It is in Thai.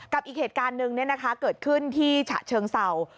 อีกเหตุการณ์หนึ่งเกิดขึ้นที่ฉะเชิงเศร้า